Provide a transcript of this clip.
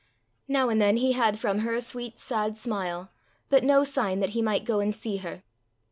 Now and then he had from her a sweet sad smile, but no sign that he might go and see her.